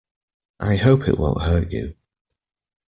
I hope it won't hurt you.